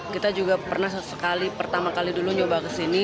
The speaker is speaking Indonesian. kita juga pernah pertama kali dulu nyoba ke sini